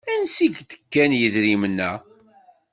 Ansi k-d-kkan yidrimen-a?